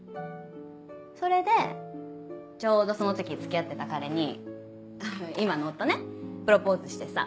それでちょうどその時付き合ってた彼に今の夫ねプロポーズしてさ。